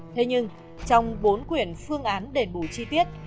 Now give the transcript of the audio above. thế nhưng trong bốn quyển phương án đền bù chi tiết